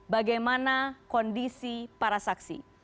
bagaimana kondisi para saksi